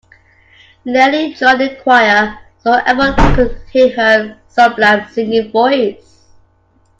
Leanne joined a choir so everyone could hear her sublime singing voice.